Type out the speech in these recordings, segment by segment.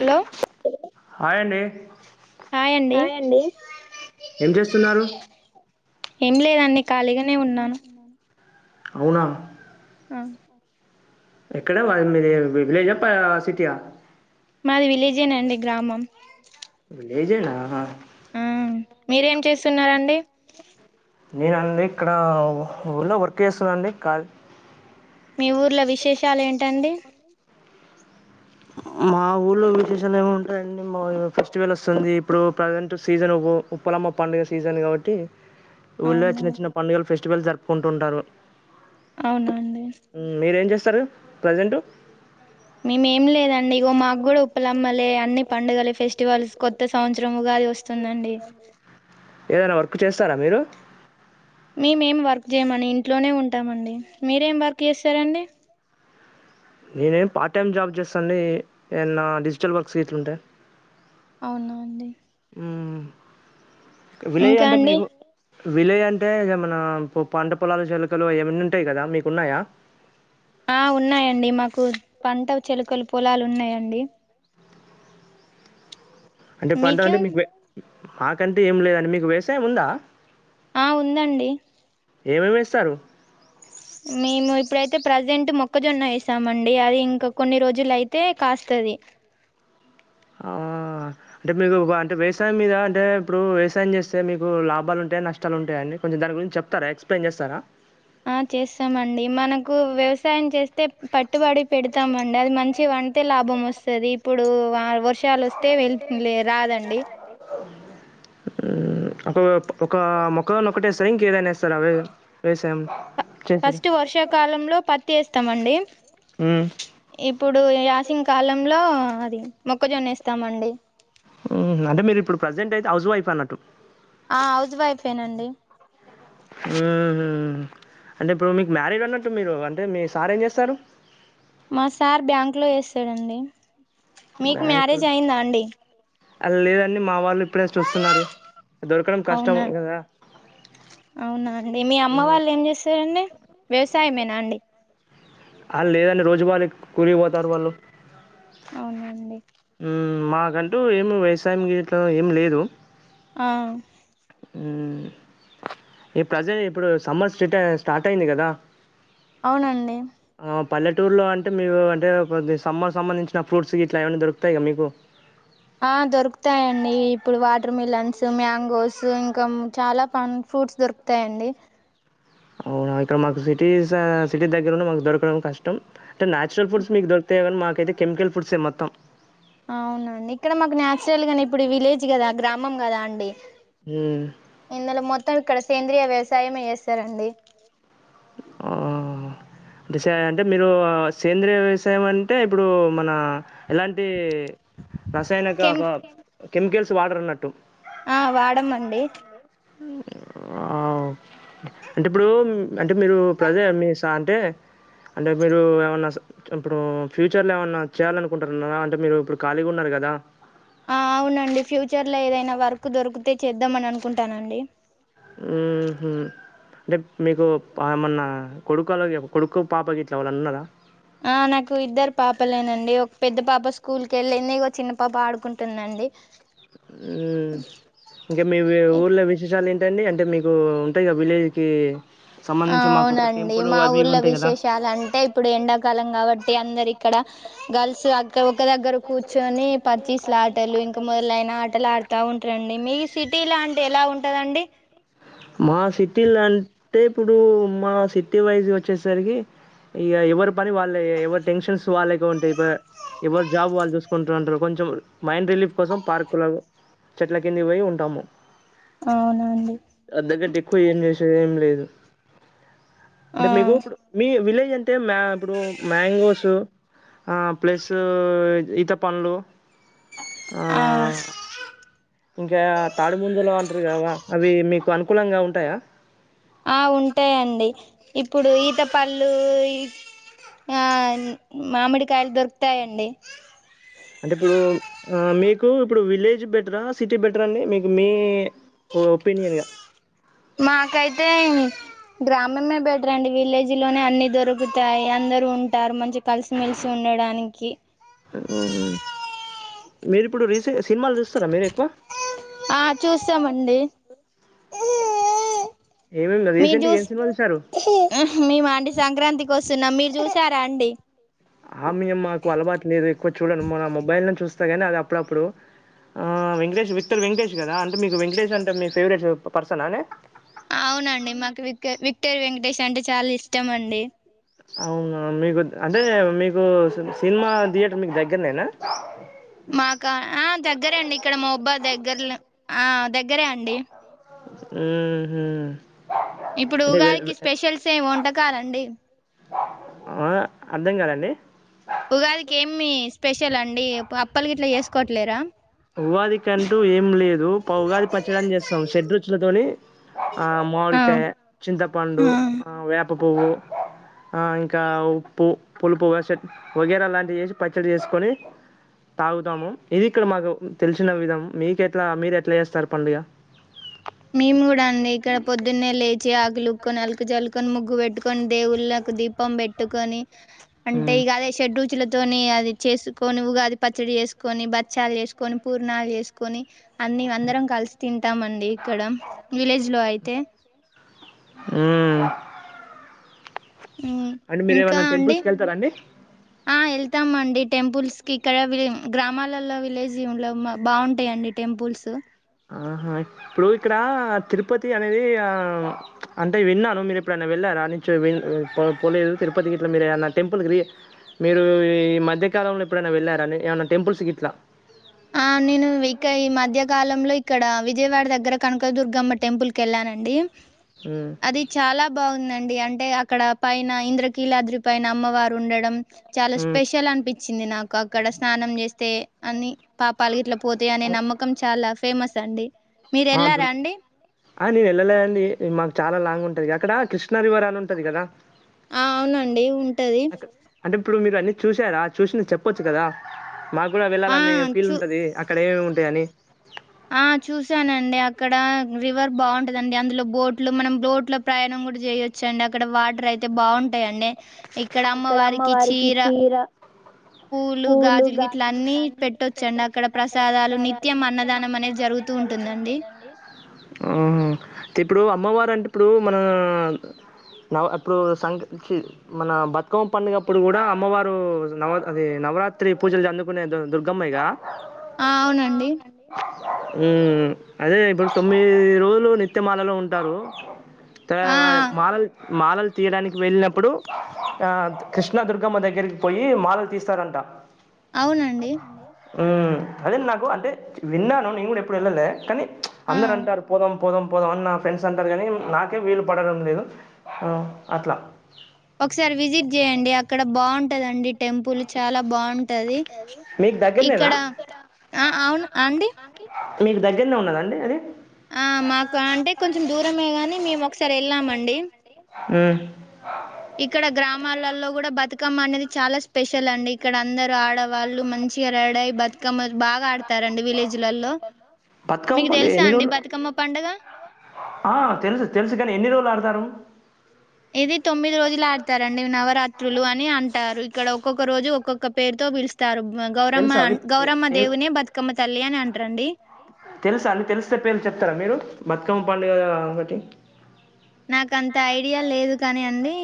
Hello hi అండీ హాయండి ఏం లేదండి ఖాళీగానే ఉన్నాను అవునా ఆ ఎక్కడ మిది విలేజ్ ఆ సిటీయా మాది విలేజేనండి గ్రామం విలేజే నా ఆ మీరేం చేస్తున్నారు అండి నేనా అండి ఇక్కడా ఊర్లో వర్క్ చేస్తున్నా నండీ కాదు మీ ఊర్లో విశేష శాలు ఏంటండి మా ఊర్లో విశేషాలు ఏముంటాయండి మా ఫెస్టివల్ వస్తుంది ఇప్పుడు ప్రజెంట్ సీజన్ ఉ ఉప్పలమ్మ పండుగ సీజన్ కాబట్టి ఊళ్ళో చిన్న చిన్న పండుగలు ఫెస్టివల్ జరుపుకుంటుంటారు మీర్ ఏం చేస్తారు ప్రజెంట్ మేమేం లేదండి ఇగో మాగూడ ఉప్పలమ్మలే అన్ని పండుగలే ఫెస్టివల్స్ కొత్త సంవత్సరం ఉగాది వస్తుందండి క్కు చేస్తారా మీరు మేమేం వర్క్ చేయమని ఇంట్లోనే ఉంటామండి మీరేం వర్క్ చేస్తారండి నేనేమ్ పార్ట్ టైమ్ జాబ్ చేస్తున్ డీ ఏ నా డిజిటల్ వర్క్స్ గీట్ల ఉంటాయి అవునా అండి హ్మ విలేజ్ అంటే మీకు విలేయ్ అంటే ఏమననా పంట పొలాలు చెలుకలు ఏమీ ఉంటాయి కదా మీకున్నాయా ఆ ఉన్నాయంండి మాకు పంట చెలుకలు పొలాలు ఉన్నాయండి అంటే పడుగ అంటే మీకు మాకంటే ఏం లేదని మీకు వేసేముందా ఆ ఉందండి ఏమేమిేస్తారు మేము ఇప్పుడైతే ప్రజెంట్ మొక్కజొన్న వేసామండి అది ఇంకా కొన్ని రోజులు అయితే కాస్తుది అంటే మీకు అంటే వ్యవసాయం మీద అంటే ఇప్పుడు వ్యవసాయం చేస్తే మీకు లాభాలు ఉంటాయి నష్టాలు ఉంటాయిని కొంచెం దాని గురించి చెప్తారా ఎక్స్ప్లెయిన్ చేస్తారా ఆ చేస్తామండి మనకు వ్యవసాయం చేస్త ే పట్టుబడి పెడతామండి అది మంచి వంటంటే లాభం వస్తుంది ఇప్పుడు వర్షాలు వస్తే వెళ రాదండి ఒక ఒక మొక్కదన్న ఒకటేస్తారు ఇంకేదైనా వస్తారావే వేసాం ఫస్ట్ వర్షాకాలంలో పత్ ఎస్ ఇత్తాంమండి ఇప్పుడు వసిన కాలంలో అది మొక్కజొన్న ఇస్తామండి అంటే మీరు ఇప్పుడు ప్రజెంట్ అయితే హౌస్ వైఫ్ అన్నట్టు ఆ హౌస్ వైఫేనాండి అంటే ఇప్పుడు మీకు మ్యారేడ్ అన్నట్టు మీరు అంటే మీ సార్ ఏం చేస్తారు మా సార్ బ్యాంక్ లో వేస్తాడండి మీకు మ్యారేజ్ అయిందా అండి అల్దని అవునా అవునా అండి మీ అమ్మ వాళ్ళు ఏం చేస్తారండి వ్యవసాయమే నా అండి. ఆ లేదండి రోజు వారి కూలికి పోతారు వాళ్ళు. అవునండి మాకంటూ ఏమ్ వ్యసాయం గిట్ల ఏం లేదు. ఆ మ్మ్ ఈ ప్రజె ఇప్పుడు సమ్మర్స్ సెట్ స్టార్ట్ అయ్యింది కదా. అవునండి ఆ పల్లెటూర్లో అంటే మీరు అంటే కొద్ది సమ్మర్ సంబంధించిన ఫ్రూట్స్ ఇట్ల ఏమన్న దొరుకుతయి గా మీకు! వాటర్ మిలన్స్, మ్యాంగోస్ ఇంకా చాలా పన్ ఫ్రూట్స్ దొరుకుతయండి. అవునా ఇక్కడ మాకు సిటీస్ సిటీ దగ్గరన్న మాకు దొరకడం కష్టం అంటే నేచురల్ ఫుడ్స్ మీకు దొరికుతాయి కానీ మాకైతే కెమికల్ ఫుడ్సే మొత్తం అవునా ఇక్కడ మాకు న్యాచురల్ గానే ఇప్పుడు విలేజ్ కదా గ్రామం కదా అండి. ఈ నెల మొత్తం ఇక్కడ సేంద్రీయ వ్యవసాయమే చేస్తారండి. ఆ అంటే సేంద్ర మీరూ సేంద్రీయ వ్యవసాయం అంటే ఇప్పుడూ మనా ఎలాంటి రసాయనక అ బ కెమికల్స్ వాడర్ అన్నట్టు. ఆ వాడమండి. ఆ అంటే ఇప్పుడూ అంటే మీరు ప్రజె మీ సా అంటే అంటే మీరు ఏమన్నా ఇప్పుడు ఫ్యూచర్లో ఏమన్నా చేయాలనుకుంటారన్నారా అంటే మీరు ఇప్పుడు ఖాళీగా ఉన్నారు కదా! అవునండి ఫ్యూచర్ లో ఏదైనా వర్క్ దొరుకు తే చేద్దాంమని అనుకుంటానండి. మ్మ్ హు అంటే మీకు ఏమన్న కొడుకలాగ కొడుకు పాప గిట్ల ఎవళన్న ఉన్నారా? ఆ నాకు ఇద్దరు పాపలేనండి. ఒక పెద్ద పాప స్కూల్ క వెళ్ళింది, చిన్న పాప ఆడుకుంటుందండి. మ్మ్ ఇంక మీ వి ఊర్లో విశేషాలు ఏం టండి అంటే మీకూ ఉంటాయిగా విలేజ్కీ ఆ అవునండి మా ఊర్లో విశేషాలు అంటే ఇప్పుడు ఎండాకాలం కాబట్టి అందరు ఇక్కడ గర్ల్స్ అక్క ఒక దగ్గర కూర్చొని పచ్చీస్లాటలు ఇంకా మొదల యినా ఆటలు ఆడుతా ఉంటారండి. మీ సిటీ లో అంటే ఎలా ఉంటదండి? టీ లా అంటే ఇప్పుడు మా సిటీ వైజ్ వచ్చేసరికి ఇగ ఎవరి పని వాళ్ళే, ఎవరి టెన్షన్స్ వాళ్ళకే ఉంటాయి. ఎవరి జాబ్ వాళ్ళు చూసుకుంట ఉంటరు కొంచెం మైండ్ రిలీఫ్ కోసం పార్క్ కుల చెట్ల కింద పోయి ఉంటాము. అంతకంటే ఎక్కువ ఏం చేసేది ఏం లేదు అంటే మీకు ఇపుడు మీ విలేజ్ టే మా ఇప్పుడు మాంగోసు ఆ ప్లసూ ఈత పండ్లు. ఆ ఇంకా తాడి ముందలు అంటారు కావా అవి మీకు అనుకూలంగా ఉంటాయా? ఆ ఉంటాయిండి ఇప్పుడు ఈత పళ్ళు ఆ మామిడికాయలు దొరుకుతాయిండి. అంటే ఇప్పుడూ ఆ మీక్ కు ఇప్పుడు విలేజ్ బెటరా సిటీ బెటర్ అండి మీకు మీ మాకాయితే గ్రామమే బెటర్ అండి విలేజ్ లోనే అన్ని దొరుకుతాయి అందరు ఉంటారు మంచిగా కలిసిమెెలిసి ఉండడానికి మీరిప్పుడు రీస సినిమాలు చూస్తారా మీరు ఎక్కువ ఆ చూస్తామండి. మీరు చూసి మే మాంట సంక్రాంతికి వస్తున్నాం మీరు చూసారా అండి ఆ మ మాకు అలవాటు లేదు చూడండి మ నా మొబైల్ని చూస్తేగానీ అది అప్పుడప్పుడు వెంకేష్ విక్టర్ వెంకటేష్ కదా అంటే మీకు వెంకటేష్ అంటే మీ ఫేవరెట్ పర్సన్ అవునండి మాకు వి విక్టర్ వెంక టేష్ అంటే చాలా ఇష్టం అండి అవునా మీకు అంటే మీకు సిమా సినిమా థియేటర్ మీకు దగ్గరనేేనా. మాకా ఆ దగ్గరండి ఇక్కడ మా బబ్బా దగ్గ దగ్గర ఆ దగ్గ దగ్గరే అండి ఉమ్ హమ్ ఇప్పుడు ఉగాదికి స్పెషల్స్ ఏం ఉంటంది కాాలండి ఆ అర్థం కదండి ఉగాదికిమి స్పెషల్ అండి అప్పలు గ ఇట్లా చేసుకోవట్లేరా ఉవాది కంట ఏ లేదు పగాది పచ్చడా చేస్తాం షడ రుచులతోని ఆ మరికాయ చింతపండు వే ఉప్ప పువ్వు ఇంకా ఉప్పు పులుపువ్గాస వగేర లాంటివి చేసి పచ్చడి చేసుకొని తాగుతాము ఇది ఇక్కడ మాకు తెలిసిన విధం మీక ఎట్లా మీరు ఎట్లా చేస్తారు పండుగ మేము కూడా అండి ఇక్కడ పొద్దున్నే లేచి గ్లుూకోన్ నల్క్ జల్కన్ ముగగువెట్టు కొని దేవుళ్ళలకు దీపం పెట్టుకొని అంటే ఇక అదే షెడ్యూల్ చ తని అది చేసుకొని ఉగాది పచ్చడి చేసుకొని బచ్చాలు వేసుకొని పూర్ణాలు వేసుకొని అన్ని అందరం కలిసి తింటాంమండి ఇక్కడ విలేజ్ లో అయితే ఉమ్ ఇంకా అండి ఆ వెళ్తాం అండి టెంపుల్స్ ఇక్కడ గ్రామాలలో విలేజ్ బాగుంటాయిండి టెంపుల్స్ ఆహా ఇప్పుడు ఇక్కడ తిరుపతి అనేది ఆ అంటే విన్నాను మీరు ఇప్పుడ ఆనా వెళ్ళారా ఆ ను పో పోలేదు తిరుపతి గ ఇట్లా మీరు ఏన్న టెంపుల్ క మీరు ఈ మధ్యకాలంలో ఎప్పుడైనా వెళ్ళార అని ఏమన్నా టెంపుల్స్ గ ఇట్లా ఆ నేను వికయి మధ్య కాలంలో ఇక్కడ విజయవాడ దగ్గర కనకదుుర్గమ్మ టెంపుల్ క వెళ్ళానండి అది చాలా బాగుంది డి అంటే అక్కడ పైన ఇంద్రకీలాద్రి పైన అమ్మవారు ఉండడం చాలా స్పెషల్ అనిపి ఇచ్చింది నాకు అక్కడ స్నానం చేస్తే అని పాపాలు గిట్ల పోతాయనే నమ్మకం చాలా ఫేమస్ అండి నేను వెళ్ళలే అండి మాకు చాలా లాంగ్ ఉంటా అక్కడ కృష్ణ రివర్ అని ఉంటది కదా ఆ అవునండి ఉంట అ అంటే ఇప్పుడు మీరు అన్నీ చూసారా చూసిన చెప్పొచ్చు కదా మాకు కూడా వెళ్ళాలనే ఫీల్ ఉంటది అక్కడ ఏమేమి ఉంటుంది అని ఆ చూసానండి అక్కడ రివర్ బాగుంటదండి అందులో బోట్లు మనం బోట్ లో ప్రయాణం కూడా చేయచ్చండి అక్కడ వాటర్ అయితే బాగుంటాయిండి. ఇక్కడ అమ్మవారికి చీర పూలు గాజులు అన్ని పెట్టొచ్చుండి అక్కడ ప్రసాదాలు నిత్యం అన్నదానం అనేది జరుగుతూ ఉంటుందిండి. ఆహా ఇప్పుడు అమ్మవారుంటే ఇప్పుడు మనం న అప్పుడు సం చీ మన బతుకమ్మ పండుగప్పుడు కూడా అమ్మవారు నవ అది నవరాత్రి పూజలు అందుకునే దుర్గమ్మ గా ఆ అవునండి హు అదే ఇప్పుడు తొమ్మిది రోజులు నిత్యమాలలో ఉంటారు. [unintelligible] మలాల్ మాలలు తీయడానికి వెళ్ళినప్పుడు ఆ కృష్ణాదుర్గమ్మ దగ్గరికి పోయి మాలలు తీస్తారంట హు అదే నాకు అంటే విన్నాను నేను కూడా ఎప్పుడు వెళ్ళలే కానీ అందర అంటారు పోదాం పోదాం పోదాం అని నా ఫ్రెండ్స్ అంటారు కానీ నాకే వీలు పడడం లేదు హు అట్లా ఒకసారి విజిట్ చేయండి అక్కడ బాగుంటు ఉంటదండీ టెంపుల్ చాలా బాగుంటది ఇక్కడ ఆ అవును అండి మీకు దగ్గరనే ఉన్నదండి అది ఆ మాకు అంటే కొంచెం దూరమే గానీ మేము ఒకసారి వెళ్ళామండి. ఆ ఇక్కడ గ్రామాలలో కూడా బతుక బతుకమ్మ అనేది చాలా స్పెషల్ అండి ఇక్కడ అందరు ఆడవాళ్ళు మంచిగా రెడీ అయి బతుకమ్మ బాగా ఆడతారండి విలేజ్లలో మీకు తెలుసా అండి బతుకమ్మ పండుగ ఇది తొమ్మిది రోజులు ఆడతారండి నవరాత్రులు అని అంటారు. ఇక్కడ ఒక్కొక్క రోజు ఒక్కొక్క పేరుతో పిలుస్తారు. గౌరమ్మ గౌరమ్మ దేవునే బతుకమ్మతి తల్లి అని అంటారండి. తెలుసా అన్నీ తెలిస్తే పేర్లు చెప్తారా మీరు బతుకమ్మ పండుగదా ఒకటి నాక అంత ఐడియా లేదు కాని అండి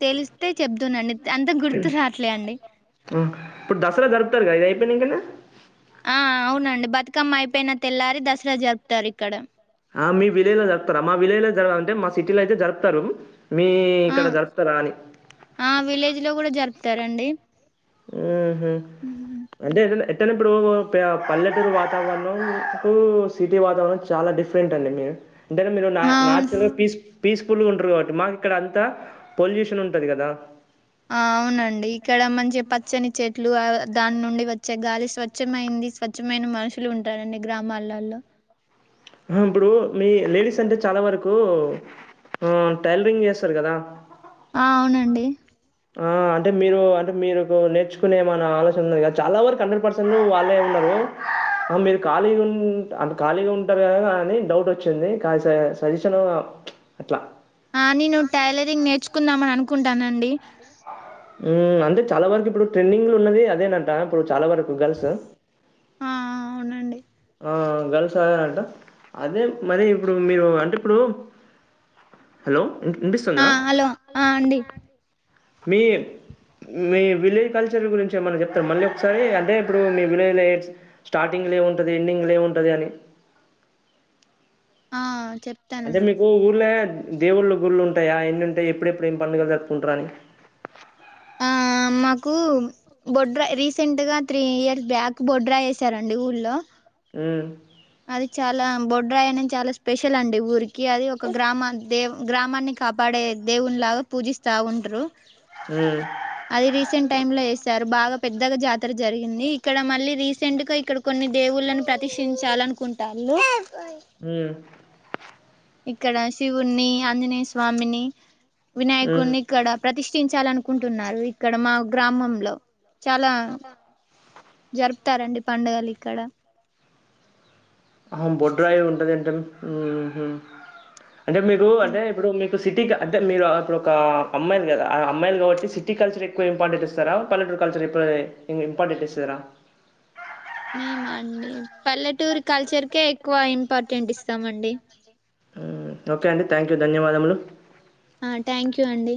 తేలిస్తే చెబ్దునండి అంత గుర్తు రాట్లే అండి ఆ ఇప్పుడు దసరా జరుపుతారు కదా అయిపోయినంకనే ఆ అవునండి బతుకమ్మ అయిపోయిన తెల్లారి దసరా జరుపుతారు ఇక్కడ ఆ మీ విలేజ్ లో జరుపుతారా మా విలేజ్ లో జ అంటే మా సిటీలో అయితే జరుపుతారు మీ ఇక్కడ జరుపుతరా అని తరండీ. ఆ అంటే ఏదన్న ఎంట ఇప్పుడు పల్లెటూరు వాతావరణంకు సిటీ వాతావరణం చాలా డిఫరెంట్ అండి మీరు అంటే మీరు నా నాచురల్ పీస్ పీస్ఫుల్గా ఉంటురు కాబట్టి మాకు ఇక్కడ అంతా పొల్యూషన్ ఉంటది కదా మంచిగ పచ్చని చె చెట్లు దాని నుండి వచ్చే గాలి స్వచ్ఛమైంది స్వచ్ఛమైన మనుషులు ఉంటారండి గ్రామాలలో ఉహూ ఇప్పుడు మీ లేడీస్ అంటే చాలా వరకు ఉ టైలరింగ్ చేస్తారు కదా ఆ అవునండి. ఆ అంటే మీరు అంటే మీరు నేర్చుకునే ఏమన్నా ఆలోచన ఉద చాలా వరకు హండ్రెడ్ పర్సెంట్ వాళ్ళే ఉన్నారు. మీరు ఖాళీగా ఉ అ ఖాళీగా ఉంటారు కదా అని డౌట్ వచ్చింది కా సజెషన్ అట్లా ఆని నువ్వు టైలరింగ్ నేర్చుకుందామని అనుకుంటు టానండి. ఊ అంటే చాలా వరకు ఇప్పుడు ట్రెండింగ్లు ఉన్నది అదేనంట ఇప్పుడు చాలా వరకు గర్ల్స్ ఆ ఆ అవునండి. ఆ గర్ల్స్ ఆదేనంట అదే మరి ఇప్పుడు మీరు అంటే ఇప్పుడు హలో ఆ హలో ఆ అండి. మీ మీ విలేజ్ కల్చర్ గురించి ఏమైన్నా చెప్తారు మళ్ళీ ఒకసారి అంటే ఇప్పుడు మీ విలేజ్ ఎ స్టార్టింగ్లో ఏం ఉంటది ఎండింగ్లో ఏం ఉంటది అని ఆ అదే మీకు ఊర్ల దేవుళ్ళు గుళ్ళు ఉంటాయా ఎన్ని ఉంటాయి ఎప్పుడెప్పుడు ఏం పండుగలు జరుపుకుంటార అని ఆ ఆ మాకు బొడ్రా రీసెంట్గా త్రీ ఇయర్స్ బ్యాక్ బొడ్రాయ్ వేసారండి ఊల్లో ఊ అది చాలా బొడ్రాయి అనేది చాలా స్పెషల్ అండి ఊరికి అది ఒక గ్రామ దే గ్రామాన్ని కాపాడే దేవునిలాగా పూజిస్తా ఉంటరు. అది రీసెంట్ టైమ్ లో ఏసారు బాగా పెద్ద పెద్దగ జాతర జరిగింది ఇక్కడ మళ్ళీ రీసెంట్ గా ఇక్కడ కొన్ని దేవుళ్లను ప్రతిషించాలని కుంటాళ్ళు. అ ఇక్కడ శివున్ని, ఆంజనేయస్వామిని వినాయకున్ని ఇక్కడ ప్రతిష్ చర్చించాలనుకుంటున్నారు ఇక్కడ మా గ్రామంలో. చాలా జరుపుతారండి పండుగలు ఇక్కడ అహం బోడ్రాయే ఉంటదెంట ఆ హు అంటే మీకు అంటే ఇప్పుడు మీక్ ఇప్పుడు సిటీ అదే మీరు ఇప్పుడు ఒక అమ్మాయిలు కదా ఆ అమ్మాయిలు కాబట్టి సిటీ కల్చర్ ఎక్కువ ఇంపార్టెంట్ ఇస్తరా, పల్లెటూరు కల్చర్ ఎక్వ ఇంపార్టెంట్ ఇస్తరా. మేమా అండి పల్లెటూరు కల్చర్కే ఎక్కువ ఇంపార్టెంట్ ఇస్తామండి. ఓకే అండి థ్యాంక్ యూ, ధన్యవాదములు. ఆ ట్యాంక్యు అండి.